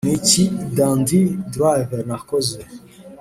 niki dandy drive nakoze